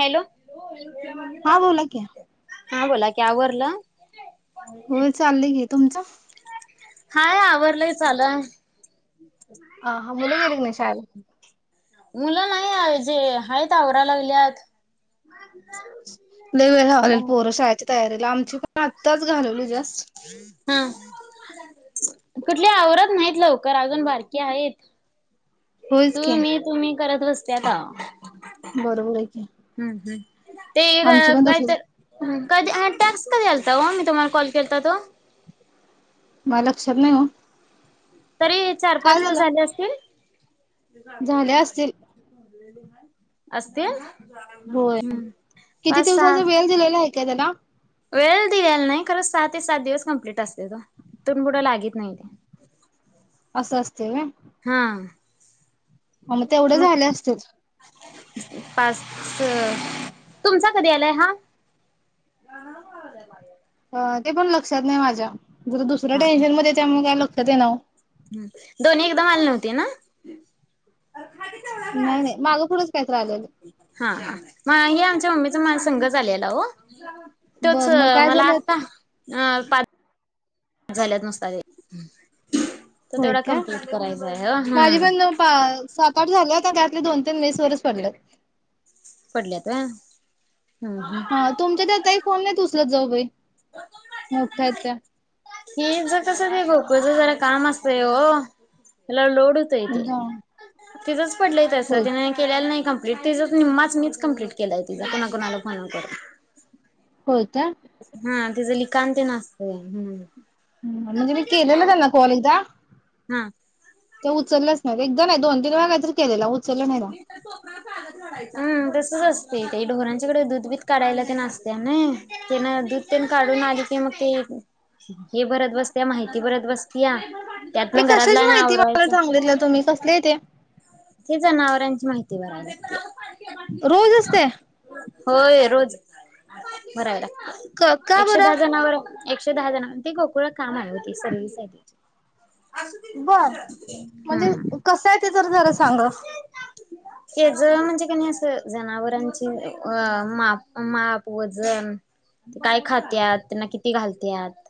Hello हा बोला की हा बोला की आवरलं होय चालय की तुमचं हाय आवरलंय लं ह हा मुलं गेली नाही शाळेत मुलं नाही आहेजे आहेत आवरा लागल्यात. द वळ लावलेल पोर शाळेची तयारीला आमची पण आत्ताच घालवलू जास् हा कुठली आवरत नाहीत लवकर अजून बारकी आहेत. होयच तु की मी तुम्ही करत बसत्या का बरोबर आहे की हम्म हम् आमची ते पण काय तसच तर कधी टाक्स कधी आलता ओ मी तुम्हाला कॉल केलता तो म लक्षात नाही ओ तरी चार पाच काय दिवस झालं? झाले असतील. झाले असतील असतील. होय हम्म. किती पाच दिवसाचा वेळ दिलेला आहे काय त्याला वेल त याला नाही खरं सहा ते सात दिवस कंप्लीट असते तो तून पुढं लागित नाही. असं असते वय हम हा मग तेवढ झाल असतील. पाच तुमचा कधी आलाय हा ते पण लक्षात नाही माझ्या जु दुसऱ्या हा टेन्शन मध्ये त्यामुळे काय लक्षात ये नाव ह दोन्ही एकदाम आलले नवते ना नाही नाही मागं पुढंच काहीत आलेलं हा हा मग हे आमच्या मम्मीचा माज संगच आलेला ओ तोच बरं मग काय मला झालं आत्ता अ झाल्यात नुसत तर होय तेवढा का? कमप्लीट करायलां आहे ह माझे हम् पण पा सात आठ झाले त्या त्यातले दोन तीन मेसवरच पडल्यात. पडल्यात व हम हम तुमच्या त्या ताई फोन नाही उचलत जाऊ बाई मोठ्या त्या हेन कस गो कझ जरा काम असतय ओ एल लोड एकदा तिथंच पडलंय तस ते नाय केलेला नाही कम्प्लीट तिं निम्माच मीच कम्प्लीट केलाय तिंजा कोणा कोणाला फोन करून. होय काय हा तिचं लिकांन ते असतय. म्हणजे मी केलेलं त्यांना कॉल एकदा हम् ते उचललंच नाही एकदा नाही दोन तीन वेळा काय तर केलेला उचललं नाही ना हम्म तसच असते ते ढोरांच्याकडे दूध बीध काढायला ते असतय ना तेन दूध तेन काढून आली की मग ते हे भरत बसत्या या माहिती भरत बसत्या त्यात ना आणि घरातला आणि आवरायचं मी कसले य तेे हे जनावरांची माहिती बरा लगत्या रोज असतय होय रोज भरायला क का एकशे बरं दहा जानवर एकशे दहा जण म्हण ते गोकुळ काम आहे होती सर्व सा बर म्हणजे हम्म कस आहे ते जरा जरा सांगा हे ज म्हणजे कणी असं जनावरांची अ माप माप वजन ते काय खातात त्यांना किती घालतात.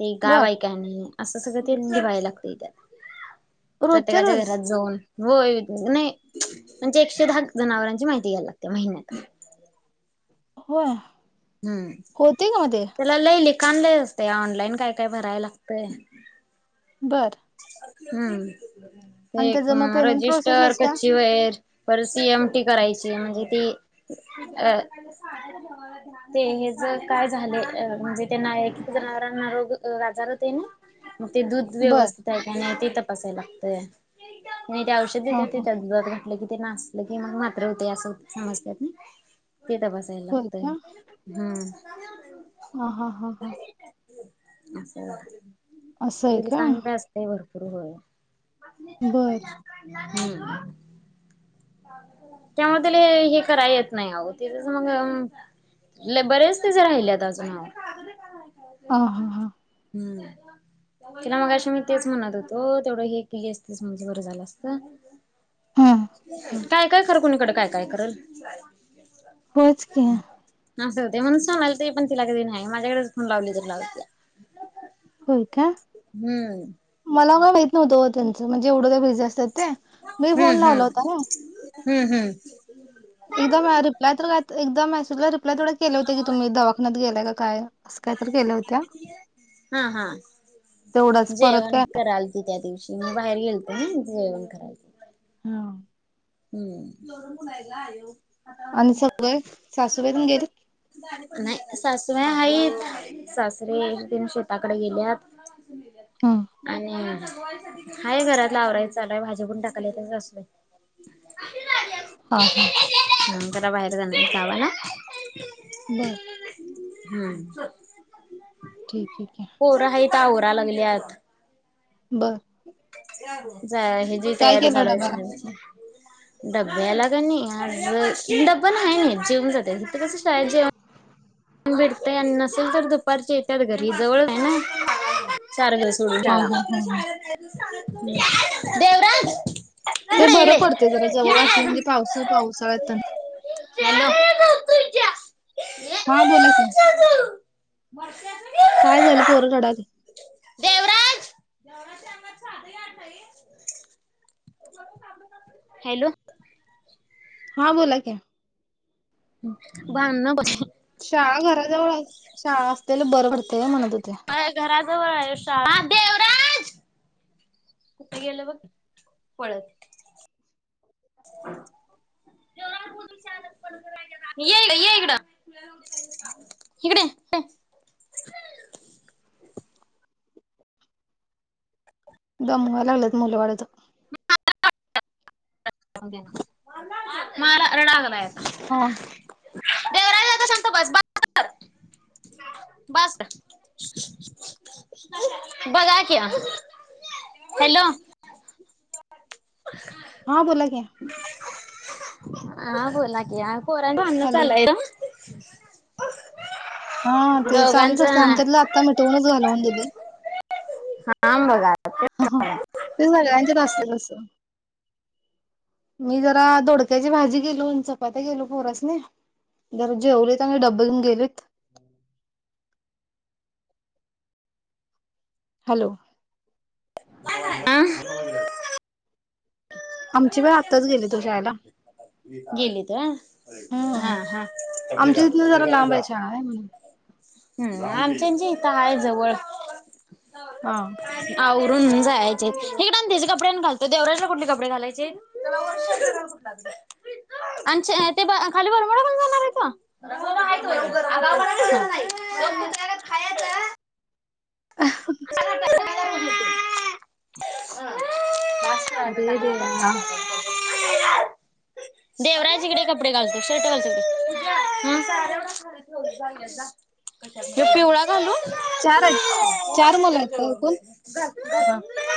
ते गाव बर आहे काय नाही असं सगळं ते निभायला लागतात त्या रोजच्या प्रत्येकाच्या रोज घरात जावून होय नाही म्हणजे एकशे दहा जनावरांची माहिती घ्यायला लागते महिन्यात होय हम्म होते का मग ते त्याला लई लिखाण लय असतय ऑनलाईन काय काय भराय लागतय बरं हम्म एक त्याचं मग पेमेंट प्रोसेस रजिस्टर असत्या कच्ची वैर पर सी एमटी करायची म्हणजे ती अ ते हे ज काय झाले म्हणजे त्यांना एक जनावरांना रोग आजार होतय ना मग ते दूध बर व्यवस्थित आहे का नाही ते तपासायला लागतंय. नाही ते औषध हा देतात ते हा त्या दुधात घातलं कि ते नास्त. ल की मग मात्र होते असं समजतात ना तेथ बसायला होय लागतंय. हम्म ह हा हा हां अस असं आहे तरी काम का असतंय भरपूर होय. बर हम्म त्यामुळे तिला हे करायला येत नाही अहो तिचं मग लई बरेच तिचं राहिलेत अजून अहो ह हां हां हम्म तिला मगाशी मी तेच म्हणत होतो तेवढं हे केली असतेच माझ बर झालं असत. हा काय काय कर कुणीकडे काय काय करल. होच की असं होते म्हणून सांगलं ते पण तिला कधी नाही माझ्याकडेच फोन लावली त लावते. होय का हम्म मला का माहित नव्हतं ओ त्यांचं म्हणजे एवढं का बिझी असतात ते मी हम्म फोन लावला होता हम्म ना हम्म हम्म एकदम रिप्लाय तर एकदम मेसेजला रिप्य तेवढा केले होते की तुम्ही दवाख्यात गेलाय काय असं काय तर गेल्या होत्या हा हा तेवढाच परत काय ते त्या दिवशी मी बाहेर गेलते ना जेवण करायला. हा हम्म [unintelligible] आणि सगळे सासूबाई पण गेलेत. नाही सासूबाई आहेत. सासरे दिन शेताकडे गेल्यात. हा आणि हाय घरातल आवराय चालूये भाजी पण टाकायला सासूबाई हा हा हा घरा बाहेर जावा ना बर हम्म ठीक ठीक आहे. पोर आहेत आवरायला लागल्यात. बर ज्या ह्याची काय तयारी केलं चालू ये डब्याला सगळाची डब्ब्याला का नाही आज डब्बा नाही नेत जेवून जाते ते कस शाळेत जेवण भेटतय आणि नसेल तर दुपारचे येतात घरी जवळ आहे ना चार कोस हा हा हा हा [inaudible] ते बरं पडते जरा जवळ असले म्हणजे पावस पावसाळ्यात [inaudible] हा बोला का काय झालं पोर रडायली. देवराज [inaudible] हॅलो हा बोला की [unintelligible] शाळा घराजवळ शाळा असते तर बर पडतेय म्हणत होते. माझ्या घराजवळ आहेव शाळा कुठे गेलं बघ पळत. [inaudible] ये ये इकडं इकड. इकडं ये इकडं ये दमवाय लागल्यात मुल बाळ त [inaudible] मारा रडगलाय आता हा देवराज आता शांत बस भांडण बंद कर बास कर बघा की आता. हॅलो [inaudible] हा बोला की. हा बोला की पोरांची भांडण हॅलो चालू हाय ओ [inaudible] हा ते चालूच असतय आमच्यातलं आत्ता मिटवूनच घालवून दिलोय. हाम बघा आता त्यात [inaudible] ते सगळ्यांच्यात असतय तसं. मी जरा दोडक्याची भाजी केलो आणि चपात्या केलो पोरासनी जरा जेवलीत आणि डब्ब घेऊन गेलीत. हॅलो अ [inaudible] आमची पण आत्ताच गेलीत ओ शाळेला. गेलीत होय हा हम्म हा. कपडे घाल कपडे घाल आणि जा काय नाय. हम आमच्यांची इथ हाय जवळ. हा आवरून जायची हायत इकडं आण त्याची कपडे आण घालतो देवराजला कुठली कपडे घालायचेत. त्याला वर शर्ट घाल कुटला तर आणि ते खाली बरमोडा घालून जाणार आहे तो. [inaudible] आगाव पना करायचा नाही गप कुत्र्यागत खायाच [inaudible] अरे देवा [inaudible] [inaudible] देवराज इकडं ये कपडे घालतो शर्ट घालतो इकडं ये. [inaudible] पिवळा घालू चार आहेत चार मुलं आहेत काय ऐकून. [inaudible]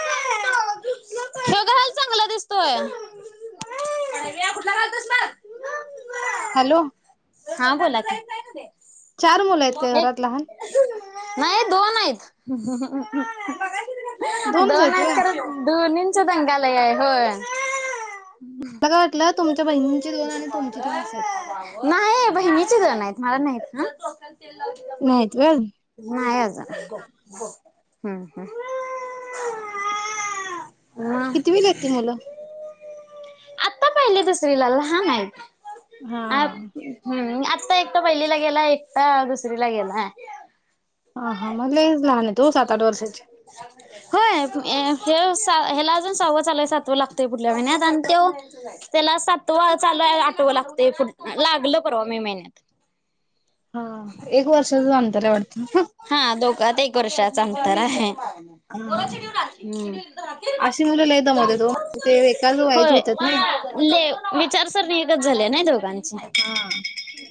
यो घाल चांगला दिसतोय. [unintelligible] कुठला घालतोस बघ हॅलो हा बोला की चार मुलं आहेत का एक घरात लहान नाही दोन हायत. दोनच दोन आहेत व्हय मला खरं दोनींच दंगा लय हाय होय. मला काय वाटलं तुमच्या बहिणींची दोन आणि तुमची दोन अस हायत. नाही बहिणीची दोन हायत मला नाहीत ना. नाहीत व्हय. नाय अजून हम्म हम्. ह [unintelligible] कितीवीला आहेत ती मुल आता पाहिलि दुसरीला लहान आहे अ हा. हम आत्ता एकट पहिलीला गेलाय एकट दुसरीला गेलाय हा हा म लईच लहान आहेत ओ सात आठ वर्षाची होय तो ह्याला अजून सहाव चालू हाय सातवं लागतंय पुढल्या महिन्यात आणि तो त्याला सातव चालू हाय आठवा लागतय लागलं परवा मे महिन्यात हा एक वर्षाच अंतर हाय वाटतं हा दोघात एक वर्षाच अंतर हाय हा. अशी मुलं लय दमवत्यात ओ ते एकाच वयाची होय होत्यात नई. विचारसरणीच झाले नाही दोघांनी हा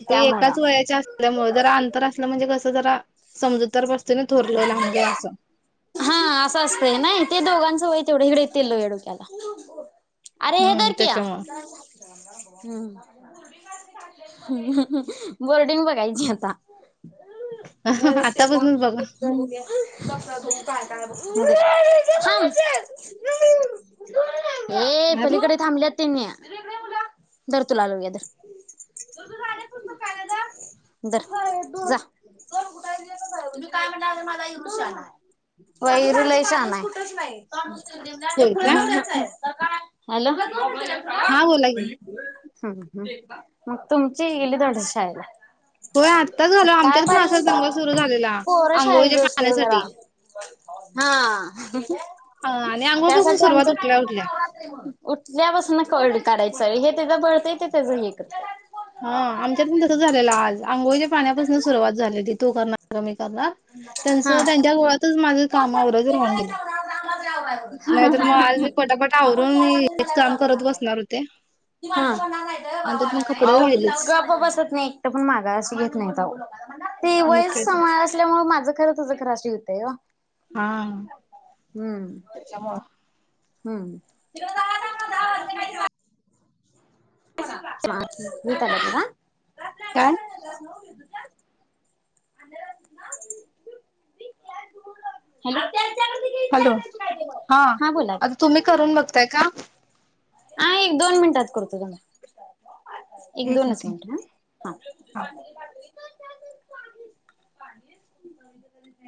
ते एकाच वयाच्या त्यामुळे जरा अंतर असलं म्हणजे कसं जरा समजूतर बस्त थोरलं लहानग असं हा असं असतंय नाही ते दोघांचं वय तेवढं हिडेतील लो हे डोक्याला अरे हे हम्म दार क त्याच्यामुळं हम्म बोर्डिंग बघायची आता पेला ल्या आतापासनच बघा त काय काय बघ हे अरे पलीकडे थांबल्यात त्यांनी धर तुला आलू घदर [inaudible] वर वर जा कुठाी काय म्हणाझ युटूब च आहे वैरुलय छान आहे होय का हॅलो हा बोला हम् की हम् मग तुमची गेली ोड शाळेला होय आत्ताच झालं आमच्यात पण असाच सकाळपर्यंत दंगा सुरू झालेला पोर शाळेला आंघोळीच्या जाउस्तोर जरा पाण्यासाठी हा हा आणि आंघोळपासून त्यासाठी सुरुवात आमचं उठल्या उठल्या उठल्यापासून कळत काढायचं हे त्याचं बळतय ते त्याचं हे कर हा आमच्यात तसं झालेलं आज आंघोळच्या पाण्यापासून सुरुवात झालेली तो करणार क मी करणार त्यांच हा त्यांच्या गोळातच माझं काम आववरज राहून गेलं नाहीतर मग आज मी पटापट आपण आवरून मी हेच काम करत बसणार होते कि माणा नाही आणि त्यात मग कपडे वावाला राहिलेच नाही ग बसत नाही एकटं पण मागा अशी घेत नाही ते मग वस काय तर समोर असल्यामुळे माझं खरं तं खर श होतय हा हम्म च म हम्म [unintelligible] चता ना काय न ह हॅलो हा आता तुम्ही करून बघताय का हा एक दोन मिनटात करतो त एक दोनच मिनट ह हा